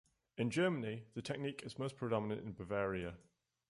In Germany, the technique is most predominant in Bavaria.